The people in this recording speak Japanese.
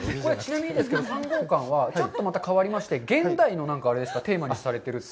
これ、ちなみにですけど、３号館はちょっとまた変わりまして、現代のあれですか、テーマにされてるって。